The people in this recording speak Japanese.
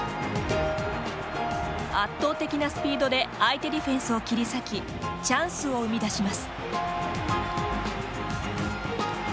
圧倒的なスピードで相手ディフェンスを切り裂きチャンスを生み出します。